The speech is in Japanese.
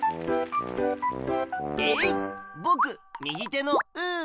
えいっぼくみぎてのうー！